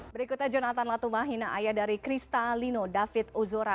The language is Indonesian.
berikutnya jonathan latumahina ayah dari kristalino david uzora